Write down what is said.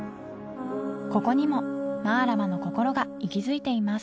ここにもマラマのこころが息づいています